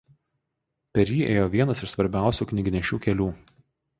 Per jį ėjo vienas iš svarbiausių knygnešių kelių.